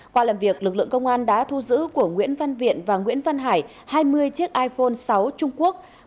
qua làm việc lực lượng công an đã thu giữ của nguyễn văn viện và nguyễn văn hải hai mươi chiếc iphone sáu trung quốc